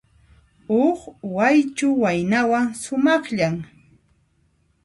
Huk Waychu waynawan, sumaqllan.